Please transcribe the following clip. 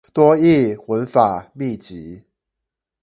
多益文法秘笈